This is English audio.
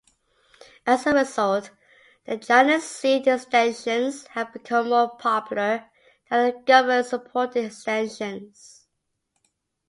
As a result, the ChinaSea extensions have become more popular than the government-supported extensions.